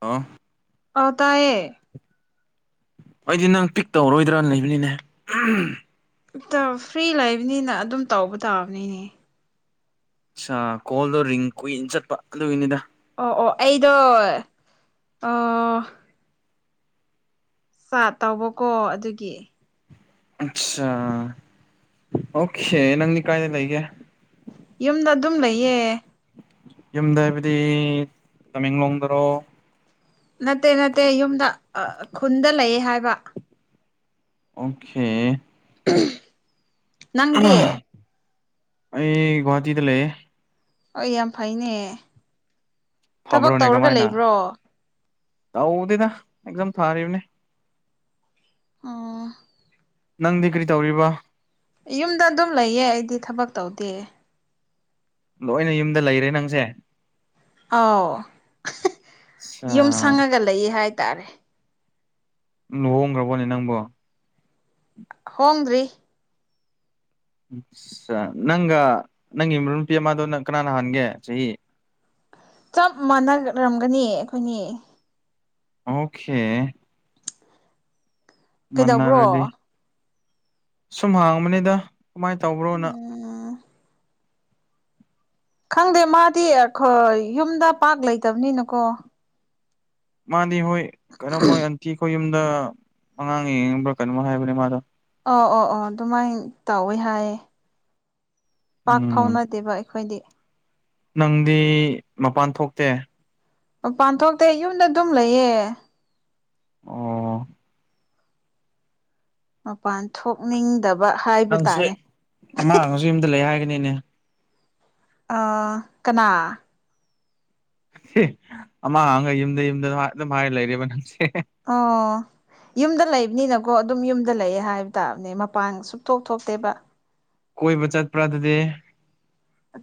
ꯑꯣ ꯑ ꯇꯥꯏꯌꯦ ꯑꯩꯗꯤ ꯅꯪ ꯄꯤꯛ ꯇꯧꯔꯔꯣꯏꯗ꯭ꯔꯅ ꯂꯩꯕꯅꯤꯅꯦ ꯐ꯭ꯔꯤ ꯂꯩꯕꯅꯤꯅ ꯑꯗꯨꯝ ꯇꯧꯕ ꯇꯥꯕꯅꯤꯅꯦ ꯆꯥ ꯀꯣꯜꯗꯣ ꯔꯤꯡ ꯀꯨꯏꯅ ꯆꯠꯄ ꯑꯗꯨꯒꯤꯅꯤꯗ ꯑꯣ ꯑꯣ ꯑꯩꯗꯣ ꯑꯣ ꯆꯥ ꯇꯧꯕꯀꯣ ꯑꯗꯨꯒꯤ ꯑꯆꯥꯥ ꯑꯣꯀꯦ ꯅꯪꯗꯤ ꯀꯥꯏꯗ ꯂꯩꯒꯦ ꯌꯨꯝꯗ ꯑꯗꯨꯝ ꯂꯩꯌꯦ ꯌꯨꯝꯗ ꯍꯥꯏꯕꯗꯤ ꯇꯃꯦꯡꯂꯣꯡꯗꯔꯣ ꯅꯠꯇꯦ ꯅꯠꯇꯦ ꯌꯨꯝꯗ ꯈꯨꯟꯗ ꯂꯩꯌꯦ ꯍꯥꯏꯕ ꯑꯣꯀꯦ ꯎꯝ ꯑꯩ ꯒꯨꯍꯥꯇꯤꯗ ꯂꯩ ꯍꯣꯏ ꯌꯥꯝ ꯐꯩꯅꯦ ꯊꯕꯛ ꯐꯕ꯭ꯔꯣꯅꯦ ꯇꯧꯔꯒ ꯀꯃꯥꯏꯅ ꯂꯩꯕ꯭ꯔꯣ ꯇꯧꯗꯦꯗ ꯑꯦꯛꯖꯝ ꯊꯥꯔꯤꯕꯅꯤ ꯑꯥ ꯅꯪꯗꯤ ꯀꯔꯤ ꯇꯧꯔꯤꯕ ꯌꯨꯝꯗ ꯑꯗꯨꯝ ꯂꯩꯌꯦ ꯑꯩꯗꯤ ꯊꯕꯛ ꯇꯧꯗꯦ ꯂꯣꯏꯅ ꯌꯨꯝꯗ ꯂꯩꯔꯦ ꯅꯪꯁꯦ ꯑꯥꯎ ꯑꯠꯆꯥ ꯌꯨꯝ ꯁꯪꯉꯒ ꯂꯩ ꯍꯥꯏꯇꯥꯔꯦ ꯂꯨ ꯍꯪꯈ꯭ꯔꯕꯣꯅꯦ ꯅꯪꯕꯣ ꯍꯣꯡꯗ꯭ꯔꯤ ꯑ ꯅꯪꯒ ꯅꯪꯒꯤ ꯏꯃꯨꯞ ꯅꯨꯄꯤ ꯑꯃꯗꯣ ꯅꯪ ꯀꯅꯥ ꯅꯍꯥꯟꯒꯦ ꯆꯍꯤ ꯆꯞ ꯃꯥꯟꯅꯔꯝꯒꯅꯤ ꯑꯩꯈꯣꯏꯅꯤ ꯑꯣꯀꯦ ꯀꯩꯗꯧꯕ꯭ꯔꯣ ꯃꯟꯅꯔꯦꯗꯤ ꯁꯨꯝ ꯍꯪꯕꯅꯤꯗ ꯀꯃꯥꯏ ꯇꯧꯕ꯭ꯔꯣꯅ ꯑꯥ ꯈꯪꯗꯦ ꯃꯥꯗꯤ ꯑꯩꯈꯣꯏ ꯌꯨꯝꯗ ꯄꯥꯛ ꯂꯩꯇꯕꯅꯤꯅꯀꯣ ꯃꯥꯗꯤ ꯍꯣꯏ ꯀꯩꯅꯣꯝꯃꯣꯏ ꯑꯟꯇꯤ ꯈꯣꯏ ꯌꯨꯝꯗ ꯑꯉꯥꯡ ꯌꯦꯡꯕ꯭ꯔꯥ ꯀꯩꯅꯣꯝꯃ ꯍꯥꯏꯕꯅꯦ ꯃꯥꯗꯣ ꯑꯣ ꯑꯣ ꯑꯣ ꯑꯗꯨꯃꯥꯏꯅ ꯇꯧꯋꯦ ꯍꯥꯏꯌꯦ ꯄꯥꯛ ꯎꯝ ꯐꯥꯎꯅꯗꯦꯕ ꯑꯩꯈꯣꯏꯗꯤ ꯅꯪꯗꯤ ꯃꯄꯥꯟ ꯊꯣꯛꯇꯦ ꯃꯄꯥꯟꯊꯣꯛꯇꯦ ꯌꯨꯝꯗ ꯑꯗꯨꯝ ꯂꯩꯌꯦ ꯑꯣ ꯃꯄꯥꯟ ꯊꯣꯛꯅꯤꯡꯗꯕ ꯍꯥꯏꯕ ꯅꯪꯁꯦ ꯇꯥꯔꯦ ꯃꯥꯡꯉꯁꯨ ꯌꯨꯝꯗ ꯂꯩ ꯍꯥꯏꯒꯅꯤꯅꯦ ꯑꯥ ꯀꯅꯥ ꯑꯃꯥꯡ ꯑꯃꯒ ꯌꯨꯝꯗ ꯌꯨꯝꯗ ꯑꯗꯨꯝ ꯍꯥꯏ ꯂꯩꯔꯦꯕ ꯅꯪꯁꯦ ꯑꯣ ꯌꯨꯝꯗ ꯂꯩꯕꯅꯤꯅꯀꯣ ꯑꯗꯨꯝ ꯌꯨꯝꯗ ꯂꯩꯌꯦ ꯍꯥꯏꯕ ꯇꯥꯕꯅꯦ ꯃꯄꯥꯟ ꯁꯨꯛꯇꯣꯛ ꯊꯣꯛꯇꯦꯕ ꯀꯣꯏꯕ ꯆꯠ ꯄ꯭ꯔ ꯑꯗꯨꯗꯤ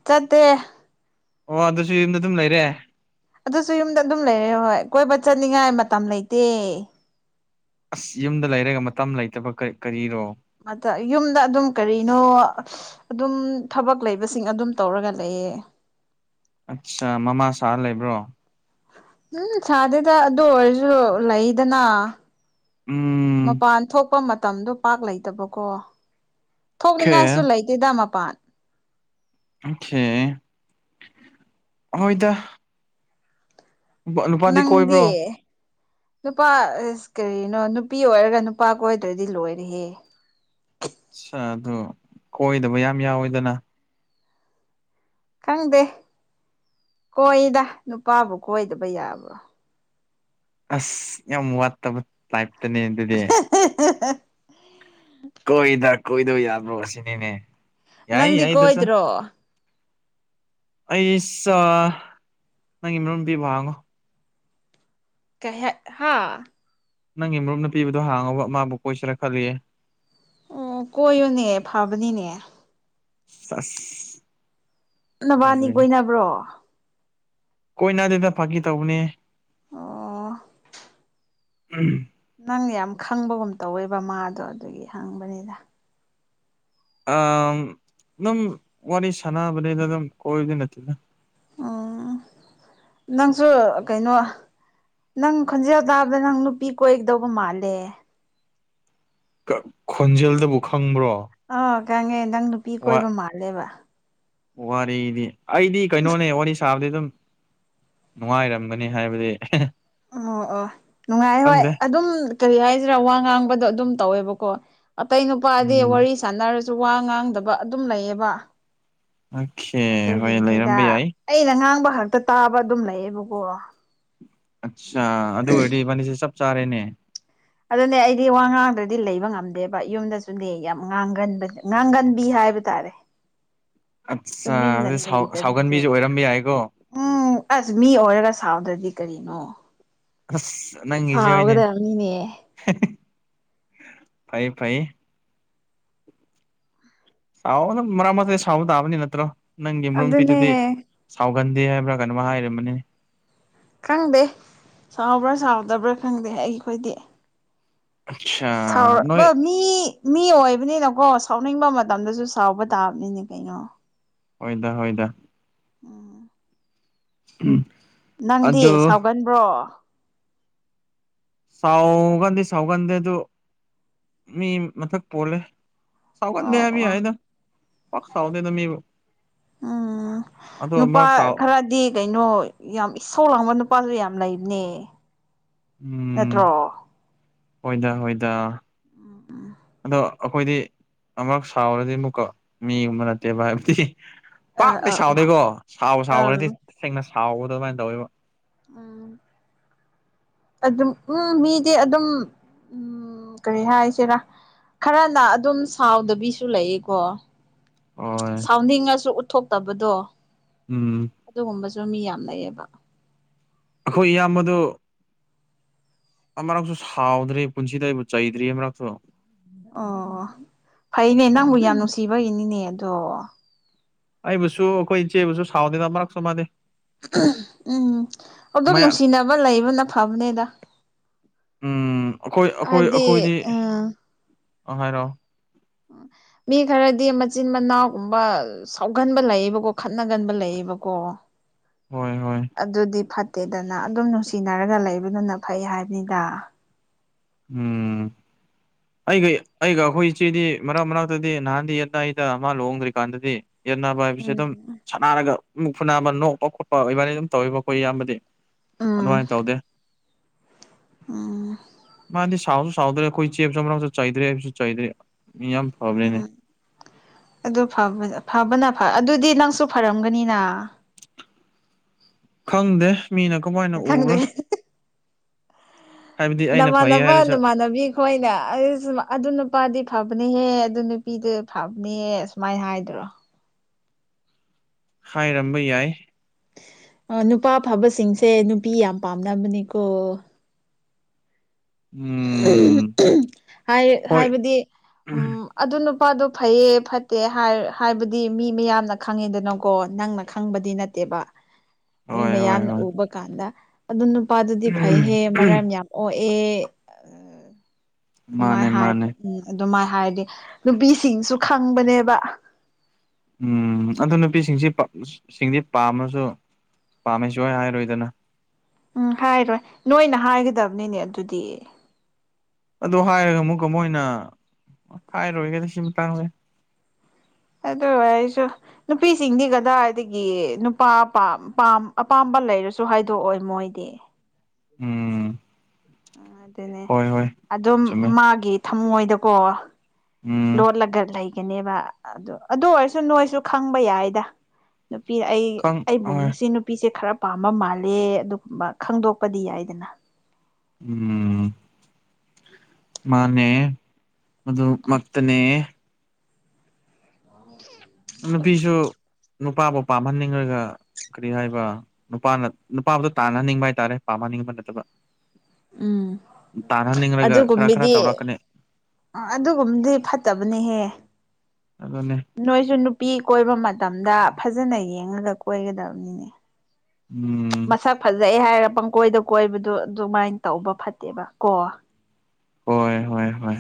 ꯆꯠꯗꯦ ꯑꯣ ꯑꯗꯨꯁꯨ ꯌꯨꯝꯗ ꯑꯗꯨꯝ ꯂꯩꯔꯦ ꯑꯗꯨꯁꯨ ꯌꯨꯝꯗ ꯑꯗꯨꯝ ꯂꯩꯔꯦ ꯍꯣꯏ ꯀꯣꯏꯕ ꯆꯠꯅꯤꯡꯉꯥꯏ ꯃꯇꯝ ꯂꯩꯇꯦ ꯑꯁ ꯌꯨꯝꯗ ꯂꯩꯔꯒ ꯃꯇꯝ ꯂꯩꯇꯕ ꯀꯥ ꯀꯔꯤꯔꯣ ꯑꯗ ꯌꯨꯝꯗ ꯑꯗꯨꯝ ꯀꯔꯤꯅꯣ ꯑꯗꯨꯝ ꯊꯕꯛ ꯂꯩꯕꯁꯤꯡ ꯑꯗꯨꯝ ꯇꯧꯔꯒ ꯂꯩꯌꯦ ꯑꯠꯆꯥ ꯃꯃꯥ ꯁꯥꯔ ꯂꯩꯕ꯭ꯔꯣ ꯎꯝ ꯁꯥꯗꯦꯗ ꯑꯗꯨ ꯑꯣꯏꯔꯁꯨ ꯂꯩꯗꯅ ꯎꯝ ꯃꯄꯥꯟ ꯊꯣꯛꯄ ꯃꯇꯝꯗꯣ ꯄꯥꯛ ꯂꯩꯇꯕꯀꯣ ꯑꯣꯀꯦ ꯊꯣꯛꯅꯤꯡꯉꯥꯏꯁꯨ ꯂꯩꯇꯦꯗ ꯃꯄꯥꯟ ꯑꯣꯀꯦ ꯍꯣꯏꯗ ꯅꯨꯄꯥꯗꯤ ꯅꯪꯗꯤ ꯀꯣꯏꯕ꯭ꯔꯣ ꯅꯨꯄꯥ ꯑꯁ ꯀꯔꯤꯅꯣ ꯅꯨꯄꯤ ꯑꯣꯏꯔꯒ ꯅꯨꯄꯥ ꯀꯣꯏꯗ꯭ꯔꯗꯤ ꯂꯣꯏꯔꯦꯍꯦ ꯑꯗꯨ ꯀꯣꯏꯗꯕ ꯌꯥꯝ ꯌꯥꯎꯋꯦꯗꯅ ꯈꯪꯗꯦ ꯀꯣꯏꯗ ꯅꯨꯄꯥꯕꯨ ꯀꯣꯏꯗꯕ ꯌꯥꯕ꯭ꯔꯣ ꯑꯁ ꯌꯥꯝ ꯋꯥꯠꯇꯕ ꯇꯥꯏꯞꯇꯅꯦ ꯑꯗꯨꯗꯤ [unintelligible] ꯀꯣꯏꯗ ꯀꯣꯏꯗꯕ ꯌꯥꯕ꯭ꯔꯣ ꯁꯤꯅꯤꯅꯦ ꯌꯥꯏ ꯅꯪꯗꯤ ꯌꯥꯏ ꯑꯗꯨꯁꯨ ꯀꯣꯏꯗ꯭ꯔꯣ ꯑꯩꯁꯨ ꯅꯪꯒꯤ ꯅꯔꯨꯞ ꯅꯨꯄꯤꯕꯨ ꯍꯪꯉꯣ ꯀꯩ ꯍꯥꯥ ꯅꯪꯒꯤ ꯃꯔꯨꯞ ꯅꯨꯄꯤꯕꯨ ꯍꯥꯡꯉꯣꯕ ꯃꯥꯕꯨ ꯀꯣꯏꯁꯤꯔ ꯈꯜꯂꯤ ꯑꯣ ꯀꯣꯏꯌꯨꯅꯦ ꯐꯕꯅꯤꯅꯦ ꯁꯥꯁ ꯅꯕꯅꯤ ꯀꯣꯏꯅꯕ꯭ꯔꯣ ꯀꯣꯏꯅꯗꯦꯗ ꯐꯒꯤ ꯇꯧꯕꯅꯦ ꯑꯣ ꯎꯝ ꯅꯪ ꯌꯥꯝ ꯈꯪꯕꯒꯨꯝ ꯇꯧꯋꯦꯕ ꯃꯥꯗꯣ ꯑꯗꯨꯒꯤ ꯍꯪꯕꯅꯤꯗ ꯑꯗꯨꯝ ꯋꯥꯔꯤ ꯁꯥꯟꯅꯕꯅꯤꯗ ꯑꯗꯨꯝ ꯀꯣꯏꯕꯗꯤ ꯅꯠꯇꯦꯗ ꯎꯝ [inaudible] ꯅꯪꯁꯨ ꯀꯩꯅꯣ ꯅꯪ ꯈꯣꯟꯖꯦꯜ ꯇꯥꯕꯗ ꯅꯪ ꯅꯨꯄꯤ ꯀꯣꯏꯒꯗꯧꯕ ꯃꯥꯜꯂꯦ ꯈꯣꯟꯖꯦꯜꯗꯕꯨ ꯈꯪꯕ꯭ꯔꯣ ꯑ ꯈꯪꯉꯦ ꯅꯪ ꯅꯨꯄꯤ ꯋꯥ ꯀꯣꯏꯕ ꯃꯥꯜꯂꯦꯕ ꯋꯥꯔꯤꯗꯤ ꯑꯩꯗꯤ ꯀꯩꯅꯣꯅꯦ ꯋꯥꯔꯤ ꯁꯥꯕꯗꯤ ꯑꯗꯨꯝ ꯅꯨꯡꯉꯥꯏꯔꯝꯒꯅꯤ ꯍꯥꯏꯕꯗꯤ ꯑꯣ ꯑꯣ ꯅꯨꯡꯉꯥꯏ ꯍꯣꯏ ꯈꯪꯗꯦ ꯑꯗꯨꯝ ꯀꯔꯤ ꯍꯥꯏꯁꯤꯔꯥ ꯋꯥ ꯉꯥꯡꯕꯗꯣ ꯑꯗꯨꯝ ꯇꯧꯋꯦꯕꯀꯣ ꯑꯇꯩ ꯅꯨꯄꯥꯗꯤ ꯎꯝ ꯋꯥꯔꯤ ꯁꯥꯟꯅꯔꯁꯨ ꯋꯥ ꯉꯥꯡꯗꯕ ꯑꯗꯨꯝ ꯂꯩꯌꯦꯕ ꯑꯣꯀꯦ ꯍꯣꯏ ꯑꯗꯨꯒꯤꯅꯤꯗ ꯂꯩꯔꯝꯕ ꯌꯥꯏ ꯑꯩꯅ ꯉꯥꯡꯕ ꯈꯛꯇ ꯇꯥꯕ ꯑꯗꯨꯝ ꯂꯩꯌꯦꯕꯀꯣ ꯑꯠꯆꯥꯥ ꯑꯗꯨ ꯑꯣꯏꯔꯗꯤ ꯃꯥꯅꯤꯁꯦ ꯆꯞ ꯆꯥꯔꯦꯅꯦ ꯑꯗꯨꯅꯦ ꯑꯩꯗꯤ ꯋꯥ ꯉꯥꯡꯗꯗꯤ ꯂꯩꯕ ꯉꯝꯗꯦꯕ ꯌꯨꯝꯗꯁꯨꯅꯦ ꯌꯥꯝ ꯉꯥꯡꯒꯟꯕ ꯉꯥꯡꯒꯟꯕꯤ ꯍꯥꯏꯕ ꯇꯥꯔꯦ ꯑꯠꯆꯥ ꯇꯨꯃꯤꯟꯅ ꯑꯗꯨ ꯂꯩꯇꯕꯤꯗꯣ ꯁꯥꯎꯒꯟꯕꯤꯁꯨ ꯑꯣꯏꯔꯝꯕ ꯌꯥꯏꯀꯣ ꯎꯝ ꯑꯁ ꯃꯤ ꯑꯣꯏꯔꯒ ꯁꯥꯎꯗ꯭ꯔꯗꯤ ꯀꯔꯤꯅꯣ ꯑꯁ ꯅꯪꯉꯁꯦꯅꯦ ꯁꯥꯎꯒꯗꯕꯅꯤꯅꯦ ꯐꯩ ꯐꯩ ꯁꯥꯎ ꯑꯗꯨꯝ ꯃꯔꯛ ꯃꯇꯊꯥꯏ ꯁꯥꯎꯕ ꯇꯥꯕꯅꯤ ꯅꯠꯇ꯭ꯔꯣ ꯅꯪꯒꯤ ꯃꯔꯨꯞ ꯑꯗꯨꯅꯦ ꯅꯨꯄꯤꯗꯨꯗꯤ ꯁꯥꯎꯒꯟꯗꯦ ꯍꯥꯏꯕ꯭ꯔꯥ ꯀꯩꯅꯣ ꯍꯥꯏꯔꯝꯕꯅꯤ ꯈꯪꯗꯦ ꯁꯥꯎꯕ꯭ꯔꯥ ꯁꯥꯎꯗꯕ꯭ꯔꯥ ꯈꯪꯗꯦ ꯑꯩꯈꯣꯏꯗꯤ ꯑꯠꯆꯥ ꯅꯣꯏ ꯁꯥꯎꯔ ꯃꯤ ꯃꯤ ꯑꯣꯏꯕꯅꯤꯅꯀꯣ ꯁꯥꯎꯅꯤꯡꯕ ꯃꯇꯝꯗꯁꯨ ꯁꯥꯎꯕ ꯇꯥꯕꯅꯤꯅꯦ ꯀꯩꯅꯣ ꯍꯗ ꯍꯣꯏꯗ ꯎꯝ ꯎꯝ ꯅꯪꯗꯤ ꯁꯥꯎꯒꯟꯕ꯭ꯔꯣ ꯁꯥꯎꯒꯟꯗꯤ ꯁꯥꯎꯒꯟꯗꯦ ꯑꯗꯨ ꯃꯤ ꯃꯊꯛ ꯄꯣꯜꯂꯦ ꯑꯣ ꯁꯥꯎꯒꯗꯕꯤ ꯑꯣ ꯍꯥꯏꯅ ꯄ ꯁꯥꯎꯗꯅ ꯃꯤꯕꯨ ꯎꯝ ꯑꯗꯣ ꯅꯨꯄꯥ ꯃꯍꯥꯛ ꯁꯥꯎ ꯈꯔꯗꯤ ꯀꯩꯅꯣ ꯌꯥꯝ ꯏꯁꯧ ꯂꯥꯡꯕ ꯅꯨꯄꯥꯁꯨ ꯌꯥꯝ ꯂꯩꯕꯅꯦ ꯎꯝ ꯅꯠꯇ꯭ꯔꯣ ꯍꯣꯏꯗ ꯍꯣꯏꯗ ꯑꯗꯣ ꯑꯩꯈꯣꯏꯗꯤ ꯑꯃꯨꯛ ꯁꯥꯎꯔꯗꯤ ꯑꯃꯨꯛꯀ ꯃꯤꯒꯨꯝꯕ ꯅꯠꯇꯦꯕ ꯍꯥꯏꯕꯗꯤ ꯑꯥ ꯄꯥꯛꯇꯤ ꯑꯥ ꯁꯥꯎꯗꯦꯀꯣ ꯁꯥꯎꯕ ꯑꯥ ꯁꯥꯎꯈ꯭ꯔꯗꯤ ꯁꯦꯡꯅ ꯁꯥꯎꯕꯗꯣ ꯑꯗꯨꯃꯥꯏꯅ ꯇꯧꯋꯦꯕ ꯎꯝ ꯑꯗꯨꯝ ꯎꯝ ꯃꯤꯗꯤꯦ ꯑꯗꯨꯝ ꯎꯝ ꯀꯔꯤ ꯍꯥꯏꯁꯤꯔꯥ ꯈꯔꯅ ꯑꯗꯨꯝ ꯁꯥꯎꯗꯕꯤꯁꯨ ꯂꯩꯌꯦꯀꯣ ꯍꯣꯏ ꯁꯥꯎꯟꯅꯤꯡꯉꯁꯨ ꯎꯠꯊꯣꯛꯇꯕꯗꯣ ꯎꯝ ꯑꯗꯨꯒꯨꯝꯕꯁꯨ ꯃꯤ ꯌꯥꯝ ꯂꯩꯩꯌꯦꯕ ꯑꯩꯈꯣꯏ ꯏꯌꯥꯝꯕꯗꯨ ꯑꯃꯛꯁꯨ ꯁꯥꯎꯗ꯭ꯔꯤ ꯄꯨꯟꯁꯤꯗ ꯑꯩꯕꯨ ꯆꯩꯗ꯭ꯔꯤ ꯑꯃꯛꯁꯨ ꯑꯣ ꯐꯩꯅꯦ ꯅꯪꯕꯨ ꯌꯥꯝ ꯅꯨꯡꯁꯤꯕꯒꯤꯅꯤꯅꯦ ꯑꯗꯣ ꯑꯩꯕꯨꯁꯨ ꯑꯩꯈꯣꯏ ꯏꯆꯦꯕꯨꯁꯨ ꯁꯥꯎꯅꯤꯅ ꯃꯔꯛꯁꯨ ꯃꯥꯥꯟꯅꯦ ꯎꯝ ꯍꯧꯛꯇꯝ ꯃꯌꯥ ꯅꯨꯡꯁꯤꯅꯕ ꯂꯩꯕꯅ ꯐꯕꯅꯦꯗ ꯎꯝ ꯑꯩꯈꯣꯏ ꯍꯥꯏꯕꯗꯤ ꯑꯝ ꯑꯍ ꯔꯣ ꯃꯤ ꯈꯔꯗꯤ ꯃꯆꯤꯟ ꯃꯅꯥꯎꯒꯨꯝꯕ ꯁꯥꯎꯒꯟꯕ ꯂꯩꯌꯦꯕꯀꯣ ꯈꯠꯅꯒꯟꯕ ꯂꯩꯌꯦꯕꯀꯣ ꯍꯣꯏ ꯍꯣꯏ ꯑꯗꯨꯗꯤ ꯐꯠꯇꯦꯗꯅ ꯑꯗꯨꯝ ꯅꯨꯡꯁꯤꯅꯔꯒ ꯂꯩꯕꯗꯨꯅ ꯐꯩ ꯍꯥꯏꯕꯅꯤꯗ ꯎꯝ ꯑꯩꯒ ꯑꯩꯒ ꯑꯩꯈꯣꯏ ꯏꯆꯦꯗꯤ ꯃꯔꯛ ꯃꯔꯛꯇꯗꯤ ꯅꯍꯥꯟꯗꯤ ꯑꯅ ꯑꯩꯗ ꯃꯥ ꯂꯨꯍꯣꯡꯗ꯭ꯔꯤꯀꯥꯟꯗꯗꯤ ꯌꯦꯠꯅꯕ ꯍꯥꯏꯕꯁꯦ ꯑꯗꯨꯝ ꯎꯝ ꯅꯥꯔꯒ ꯃꯨꯛ ꯐꯨ ꯅꯥꯕ ꯅꯣꯛꯄ ꯈꯣꯠꯄ ꯏꯕꯥꯅ ꯑꯗꯨꯝ ꯇꯧꯋꯕ ꯑꯩꯈꯣꯏ ꯏꯌꯥꯝꯕꯗꯤ ꯎꯝ ꯑꯗꯨꯃꯥꯏꯅ ꯇꯧꯗꯦ ꯎꯝ ꯃꯥꯗꯤ ꯁꯥꯎꯠꯁꯨ ꯁꯥꯎꯗ꯭ꯔꯦ ꯑꯩꯈꯣꯏ ꯆꯦ ꯆꯁꯨ ꯆꯩꯗ꯭ꯔꯦ ꯍꯥꯏꯕꯁꯨ ꯆꯩꯗ꯭ꯔꯦ ꯌꯥꯝ ꯐꯕꯅꯤꯅꯦ ꯎꯝ ꯑꯗꯨ ꯐꯕꯅ ꯑꯗꯨꯗꯤ ꯅꯪꯁꯨ ꯐꯔꯝꯒꯅꯤꯅ ꯈꯪꯗꯦ ꯃꯤꯅ ꯀꯃꯥꯏꯅ ꯈꯪꯗꯦ ꯎꯕ꯭ꯔꯥ ꯍꯥꯏꯕꯗꯤ ꯑꯩꯅ ꯅꯃ ꯐꯩ ꯅꯕ ꯍꯥꯏꯔꯁꯨ ꯅꯃ ꯅꯕꯤ ꯍꯣꯏꯅꯦ ꯑꯗꯨ ꯅꯨꯄꯥꯗꯤ ꯐꯕꯅꯦꯍꯦ ꯑꯗꯨ ꯅꯨꯄꯤꯗꯨ ꯐꯕꯅꯦꯍꯦ ꯁꯨꯃꯥꯏꯅ ꯍꯥꯏꯗꯔꯣ ꯍꯥꯏꯔꯝꯕ ꯌꯥꯏ ꯑꯥ ꯅꯨꯄꯥ ꯐꯕꯁꯤꯡꯁꯦ ꯅꯨꯄꯤ ꯌꯥꯝ ꯄꯥꯝꯅꯕꯅꯤꯀꯣ ꯎꯝ ꯍꯥꯏ ꯍꯣꯏ ꯍꯥꯏꯕꯗꯤ ꯎꯝ ꯑꯗꯨ ꯅꯨꯄꯥꯗꯣ ꯐꯩꯌꯦ ꯐꯠꯇꯦ ꯍꯥꯏꯕꯗꯤ ꯃꯤ ꯃꯌꯥꯝꯅ ꯈꯪꯉꯦꯗꯅꯀꯣ ꯅꯪꯅ ꯈꯪꯕꯗꯤ ꯅꯠꯇꯦꯕ [inaudible] ꯃꯤ ꯍꯣꯏ ꯃꯌꯥꯝꯅ ꯍꯣꯏ ꯎꯕ ꯀꯥꯟꯗ ꯑꯗꯨ ꯅꯨꯄꯥꯗꯨꯗꯤ ꯐꯩꯍꯦ ꯃꯔꯝ ꯌꯥꯝ ꯃꯣꯛꯑꯦ ꯑ [unintelligible] ꯃꯥꯅꯦ ꯑꯗꯨꯃꯥꯏꯅ ꯃꯥꯅꯦ ꯍꯥꯏꯗꯤ ꯎꯝ ꯑꯗꯨꯃꯥꯏꯅ ꯍꯥꯏꯔꯗꯤ ꯅꯨꯄꯤꯁꯤꯡꯁꯨ ꯈꯪꯕꯅꯦꯕ ꯎꯝ ꯑꯗꯨ ꯅꯨꯄꯤꯁꯤꯡꯁꯤ ꯁꯤꯡꯗꯤ ꯄꯥꯝꯃꯁꯨ ꯄꯥꯝꯃꯦꯁꯨ ꯁꯨꯡꯍꯥꯢ ꯍꯥꯏꯔꯣꯏꯗꯅ ꯎꯝ ꯍꯥꯏꯔꯣꯏ ꯅꯣꯏꯅ ꯍꯥꯏꯒꯗꯕꯅꯤꯅꯦ ꯑꯗꯨꯗꯤ ꯑꯗꯨ ꯍꯥꯏꯔꯒ ꯑꯃꯨꯛꯀ ꯑꯃꯨꯛ ꯃꯣꯏꯅ ꯍꯥꯏꯔꯣꯏꯒꯦꯗ ꯁꯤ ꯃꯇꯥꯡꯗꯗꯤ ꯑꯗꯣ ꯑꯣꯢꯔꯁꯨ ꯅꯨꯄꯤꯁꯤꯡꯗꯤ ꯀꯗꯥꯏꯗꯒꯤ ꯅꯨꯄꯥ ꯑꯄꯥꯝꯕ ꯂꯩꯔꯁꯨ ꯍꯥꯏꯗꯣꯛꯑꯣꯏ ꯃꯣꯏꯗꯤ ꯎꯝ ꯑꯗꯨꯅꯦ ꯍꯣꯏ ꯍꯣꯏ ꯑꯗꯨꯝ ꯆꯨꯝꯃꯦ ꯃꯥꯒꯤ ꯊꯝꯃꯣꯏꯗꯀꯣ ꯎꯝ ꯂꯣꯠꯂꯒ ꯂꯩꯒꯅꯦꯕ ꯑꯗꯨ ꯑꯗꯨ ꯑꯣꯏꯔꯁꯨ ꯅꯣꯏꯁꯨ ꯈꯪꯕ ꯌꯥꯏꯗ ꯅꯨꯄꯤ ꯑꯩ ꯈꯪ ꯍꯣꯏ ꯑꯩꯒꯨꯝꯕꯁꯤ ꯅꯨꯄꯤꯁꯦ ꯈꯔ ꯄꯥꯝꯕ ꯃꯥꯜꯂꯦ ꯑꯗꯨꯒꯨꯝꯕ ꯈꯪꯗꯣꯛꯄꯗꯤ ꯌꯥꯏꯗꯅ ꯎꯝ ꯃꯥꯅꯦ ꯃꯗꯨ ꯃꯛꯇꯅꯦ ꯅꯨꯄꯤꯁꯨ ꯅꯨꯄꯥꯕꯨ ꯄꯥꯝꯍꯟꯅꯤꯡꯉꯒ ꯀꯔꯤ ꯍꯥꯏꯕ ꯅꯨꯄꯥꯅ ꯅꯨꯄꯥꯕꯨꯗꯣ ꯇꯥꯟꯅꯍꯟꯅꯤꯡꯕ ꯍꯥꯏꯇꯥꯔꯦ ꯄꯥꯝꯅꯍꯟꯅꯤꯡꯕ ꯅꯠꯇꯕ ꯎꯝ ꯇꯥꯟꯍꯟꯅꯤꯡꯂꯒ ꯈꯔ ꯈꯔ ꯇꯧꯔꯛꯀꯅꯤ ꯑ ꯑꯗꯨꯒꯨꯝꯕꯗꯤ ꯐꯠꯇꯕꯅꯦꯍꯦ ꯑꯗꯨꯅꯦ ꯅꯣꯏꯁꯨ ꯅꯨꯄꯤ ꯀꯣꯏꯕ ꯃꯇꯝꯗ ꯐꯖꯅ ꯌꯦꯡꯉꯒ ꯀꯣꯏꯒꯗꯕꯅꯦ ꯎꯝ ꯁꯛ ꯐꯖꯩ ꯍꯥꯏꯔꯒ ꯄꯪꯀꯣꯏꯗ ꯀꯣꯏꯕꯗꯨ ꯑꯗꯨꯃꯥꯏꯅ ꯇꯧꯕ ꯐꯠꯇꯦꯕ ꯀꯣ ꯍꯣꯏ ꯍꯣꯏ ꯍꯣꯏ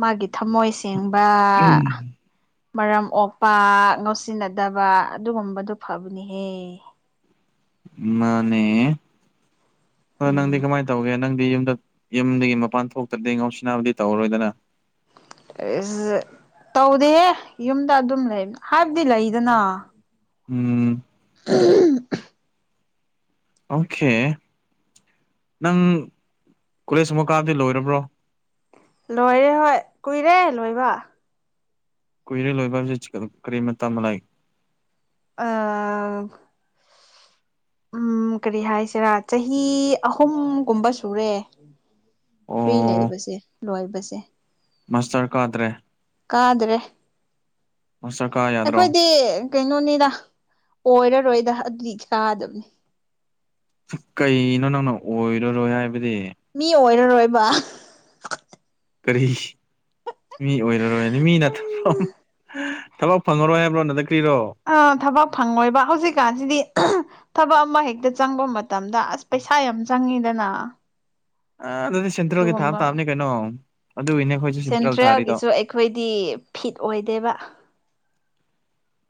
ꯃꯥꯒꯤ ꯊꯝꯃꯣꯏ ꯁꯦꯡꯕ ꯃꯔꯝ ꯑꯣꯛꯄ ꯉꯧꯁꯤꯟꯅꯗꯕ ꯑꯗꯨꯒꯨꯝꯕꯗꯨ ꯐꯕꯅꯦꯍꯦ ꯃꯥꯅꯦ ꯅꯪꯗꯤ ꯎꯝ ꯀꯃꯥꯢ ꯇꯧꯒꯦ ꯅꯪꯗꯤ ꯌꯨꯝꯗ ꯌꯨꯝꯗꯒꯤ ꯃꯄꯥꯟ ꯊꯣꯛꯇ꯭ꯔꯗꯤ ꯉꯧꯁꯤꯅꯥꯕꯗꯤ ꯇꯧꯔꯔꯣꯏꯗꯅ ꯢꯁ ꯇꯧꯗꯦꯍꯦ ꯌꯨꯝꯗ ꯑꯗꯨꯝ ꯂꯩ ꯍꯥꯏꯕꯗꯤ ꯂꯩꯗꯅ ꯎꯝ ꯎꯝ [unintelligible] ꯑꯣꯀꯦ ꯅꯪ ꯀꯣꯂꯦꯖ ꯒꯨꯝꯕ ꯀꯥꯕꯗꯤ ꯂꯣꯏꯔꯕ꯭ꯔꯣ ꯂꯣꯏꯔꯦ ꯍꯣꯏ ꯀꯨꯏꯔꯦ ꯂꯣꯏꯕ ꯀꯨꯏꯔꯦ ꯂꯣꯏꯕ ꯍꯥꯏꯕꯁꯤ ꯀꯔꯤ ꯃꯇꯥꯝ ꯇꯥꯝꯕ ꯂꯥꯢꯛ ꯑꯥ ꯎꯝ ꯀꯔꯤ ꯍꯥꯏꯁꯤꯔꯥ ꯆꯍꯤ ꯑꯍꯨꯝꯒꯨꯝꯕ ꯁꯨꯔꯦ ꯐ꯭ꯔꯤ ꯑꯣ ꯂꯩꯕꯁꯦ ꯂꯣꯏꯕꯁꯦ ꯃꯥꯁꯇꯔ ꯀꯥꯗ꯭ꯔꯦ ꯀꯥꯗ꯭ꯔꯦ ꯃꯥꯁꯇꯥꯔ ꯀꯥꯢꯌꯦ ꯑꯩꯈꯣꯏꯗꯤ ꯀꯩꯅꯣꯅꯤꯗ ꯑꯣꯏꯔꯔꯣꯏꯗ ꯑꯗꯨꯗꯤ ꯆꯥꯗꯕꯅꯤ ꯀꯩꯅꯣ ꯅꯪꯅ ꯑꯣꯏꯔꯔꯣꯏ ꯍꯥꯏꯕꯗꯤ ꯃꯤ ꯑꯣꯏꯔꯔꯣꯏꯕ ꯀꯔꯤ ꯃꯤ ꯑꯣꯏꯔꯔꯣꯏꯅꯤ ꯃꯤ ꯅꯠꯇꯕꯥ [unintelligible] ꯊꯕꯛ ꯐꯪꯉꯔꯣꯏ ꯍꯥꯏꯕ꯭ꯔꯣ ꯅꯟꯗ ꯀ꯭ꯔꯤꯔꯣ ꯑ ꯊꯕꯛ ꯐꯪꯉꯣꯏꯕ ꯍꯧꯖꯤꯛꯀꯥꯟꯁꯤꯗꯤ ꯊꯕꯛ ꯑꯃ ꯍꯦꯛꯇ ꯆꯪꯕ ꯃꯠ ꯇꯝꯗ ꯑꯁ ꯄꯩꯁꯥ ꯌꯥꯝ ꯆꯪꯉꯤꯗꯅ ꯑ ꯑꯗꯨꯗꯤ ꯁꯦꯟꯇ꯭ꯔꯦꯜꯒꯤ ꯊꯥꯕ ꯑꯗꯨꯒꯨꯝꯕ ꯇꯥꯕꯅꯦ ꯀꯩꯅꯣ ꯑꯗꯨꯒꯤꯅꯦ ꯑꯩꯈꯣꯏꯁꯨ ꯁꯦꯟꯇ꯭ꯔꯦꯜ ꯊꯥꯔꯤꯗꯣ ꯁꯦꯟꯇ꯭ꯔꯦꯜꯒꯤꯁꯨ ꯑꯩꯈꯣꯏꯗꯤ ꯐꯤꯠ ꯑꯣꯏꯗꯦꯕ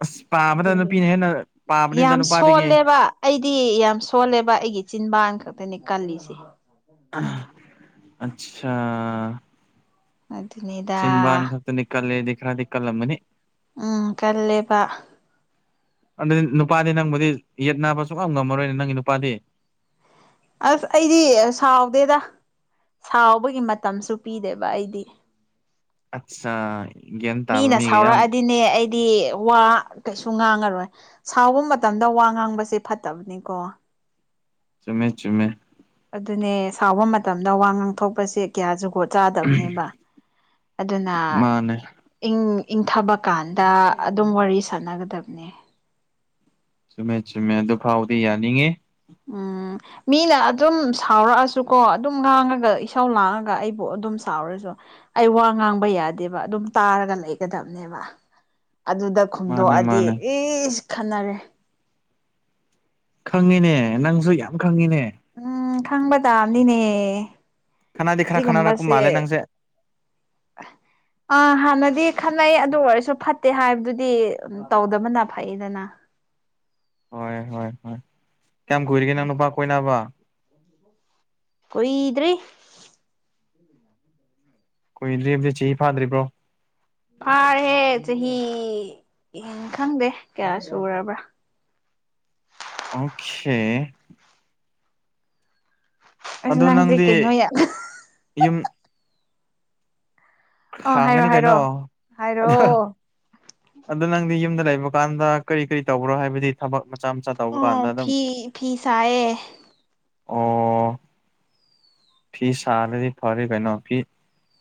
ꯑꯁ ꯄꯥꯕꯗ ꯅꯨꯄꯤꯅ ꯍꯦꯟꯅ ꯄꯥꯕꯅꯤꯗ ꯌꯥꯝ ꯅꯨꯄꯥꯗꯒꯤ ꯁꯣꯜꯂꯦꯕ ꯑꯩꯗꯤ ꯌꯥꯝ ꯁꯣꯜꯂꯦꯕ ꯑꯩꯒꯤ ꯆꯤꯟꯕꯥꯟ ꯈꯛꯇꯅꯤ ꯀꯜꯂꯤꯁꯦ ꯑꯆꯥ ꯑꯗꯨꯅꯦ꫰ꯑꯗꯨ ꯆꯤꯟꯕꯥꯥꯟ ꯈꯛꯇꯅꯦ ꯀꯜꯂꯦ ꯍꯥꯏꯗꯤ ꯈ꯭ꯔꯗꯤ ꯀꯜꯂꯝꯑꯅꯤ ꯎꯝ ꯀꯜꯂꯦꯕ ꯑꯗꯨꯗꯤ ꯅꯨꯄꯥꯗꯤ ꯅꯪꯕꯨꯗꯤ ꯌꯦꯠꯅꯕ ꯁꯨꯡꯉꯝ ꯉꯝꯃꯔꯣꯏꯅꯦ ꯅꯪꯒꯤ ꯅꯨꯄꯥꯗꯤ ꯑꯁ ꯑꯩꯗꯤ ꯁꯥꯎꯗꯦꯗ ꯁꯥꯎꯕꯒꯤ ꯃꯇꯝꯁꯨ ꯄꯤꯗꯦꯕ ꯑꯩꯗꯤ ꯑꯠꯆꯥꯥ ꯒ꯭ꯌꯥꯟ ꯇꯥꯕ ꯃꯤꯒ ꯌꯥꯝ ꯅꯦ ꯑꯩꯗꯤ ꯋꯥ ꯀꯩꯁꯨ ꯉꯥꯡꯉꯔꯣꯏ ꯁꯥꯎꯕ ꯃꯇꯝꯗ ꯋꯥ ꯉꯥꯡꯕꯁꯦ ꯐꯠꯇꯕꯅꯤꯀꯣ ꯆꯨꯝꯃꯦ ꯆꯨꯝꯃꯦ ꯑꯗꯨꯅꯦ ꯁꯥꯎꯕ ꯃꯇꯝꯗ ꯋꯥ ꯉꯥꯡꯊꯣꯛꯄꯁꯦ ꯀꯌꯥ ꯖꯒꯣꯠ ꯆꯥꯗꯕꯅꯦꯕ ꯑꯗꯨꯅ ꯃꯥꯅꯦ ꯏꯪ ꯏꯪꯊꯕ ꯀꯥꯟꯗ ꯑꯗꯨꯝ ꯋꯥꯔꯤ ꯁꯥꯟꯅꯒꯗꯕꯅꯦ ꯆꯨꯝꯃꯦ ꯆꯨꯝꯃꯦ ꯑꯗꯨ ꯐꯥꯎꯗꯤ ꯌꯥꯅꯤꯡꯉꯦ ꯎꯝ ꯃꯤꯅ ꯑꯗꯨꯝ ꯁꯥꯎꯔꯛꯑꯁꯨꯀꯣ ꯑꯗꯨꯝ ꯉꯥꯡꯔꯒ ꯏꯁꯧ ꯂꯥꯡꯔꯒ ꯑꯩꯕꯨ ꯑꯗꯨꯝ ꯁꯥꯎꯔꯁꯨ ꯑꯩ ꯋꯥ ꯉꯥꯡꯕ ꯌꯥꯗꯦꯕ ꯑꯗꯨꯝ ꯇꯥꯔꯒ ꯂꯩꯒꯗꯕꯅꯦꯕ ꯑꯗꯨꯗ ꯃꯥꯅꯦ ꯈꯨꯝꯗꯣꯛꯑꯗꯤ ꯃꯥꯅꯦ ꯏꯁ ꯈꯠꯅꯔꯦ ꯈꯪꯉꯤꯅꯦ ꯅꯪꯁꯨ ꯌꯥꯝ ꯈꯪꯉꯤꯅꯦ ꯎꯝ ꯈꯪꯕ ꯇꯥꯕꯅꯤꯅꯦ ꯈꯠꯅꯗꯤ ꯈ꯭ꯔ ꯈꯠꯅꯔꯛꯄ ꯁꯤꯒꯨꯝꯕꯁꯦ ꯃꯜꯂꯦ ꯅꯪꯁꯦ ꯑꯥ ꯍꯥꯟꯅꯗꯤ ꯈꯠꯅꯩ ꯑꯗꯨ ꯑꯣꯏꯔꯁꯨ ꯐꯠꯇꯦ ꯍꯥꯏꯕꯗꯨꯗꯤ ꯇꯧꯗꯕꯅ ꯐꯩꯗꯅ ꯍꯣꯏ ꯍꯣꯏ ꯍꯣꯏ ꯀꯌꯥꯝ ꯀꯨꯏꯔꯒꯦ ꯅꯪ ꯅꯨꯄꯥ ꯀꯣꯏꯅꯕ ꯀꯨꯏꯗ꯭ꯔꯤ ꯀꯨꯏꯗ꯭ꯔꯤ ꯍꯥꯏꯕꯗꯤ ꯆꯍꯤ ꯐꯥꯗ꯭ꯔꯤꯕ꯭ꯔꯣ ꯐꯥꯔꯦ ꯆꯍꯤ ꯈꯪꯗꯦ ꯀꯌꯥ ꯁꯨꯔꯕ꯭ꯔꯥ ꯑꯣꯈꯦ ꯑꯁ ꯑꯗꯣ ꯅꯪꯁꯦ ꯅꯪꯗꯤ ꯀꯩꯅꯣ ꯌꯥꯝ ꯌꯨꯝ ꯑ ꯍꯥꯏꯔꯣ ꯈꯥꯡꯉꯅꯤ ꯀꯩꯅꯣ ꯍꯥꯏꯔꯣ ꯍꯥꯏꯔꯣ [unintelligible] ꯑꯗꯣ ꯅꯪꯗꯤ ꯌꯨꯝꯗ ꯂꯩꯕ ꯀꯥꯟꯗ ꯀꯔꯤ ꯀꯔꯤ ꯇꯧꯕ꯭ꯔꯣ ꯍꯥꯏꯕꯗꯤ ꯊꯕꯛ ꯃꯆꯥ ꯃꯆꯥ ꯇꯧꯕ ꯑꯣ ꯀꯥꯟꯗ ꯑꯗꯨꯝ ꯐꯤ ꯐꯤ ꯁꯥꯏꯌꯦ ꯑꯣ ꯐꯤ ꯁꯥꯔꯗꯤ ꯐꯔꯦ ꯀꯩꯅꯣ ꯐꯤ-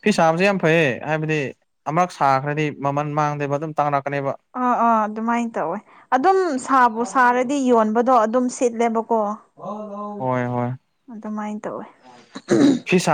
ꯐꯤ ꯁꯥꯕꯁꯦ ꯌꯥꯝ ꯐꯩꯌꯦ ꯍꯥꯏꯕꯗꯤ ꯑꯃꯔꯛ ꯁꯥꯈ꯭ꯔꯗꯤ ꯃꯃꯜ ꯃꯥꯡꯗꯦꯕ ꯑꯗꯨꯝ ꯇꯥꯡꯔꯛꯀꯅꯦꯕ ꯑ‌ꯣ ꯑꯣ ꯑꯗꯨꯃꯥꯏꯅ ꯇꯧꯋꯦ ꯑꯗꯨꯝ ꯁꯥꯕꯨ ꯁꯥꯔꯗꯤ ꯌꯣꯟꯕꯗꯣ ꯑꯗꯨꯝ ꯁꯤꯠꯂꯦꯕꯀꯣ ꯍꯣꯏ ꯍꯣꯏ ꯑꯗꯨꯃꯥꯏꯅ ꯇꯧꯋꯦ ꯄꯤꯁꯥ